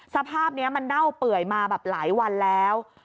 สภาพนี้มันเน่าเปื่อยมาแบบหลายวันแล้ว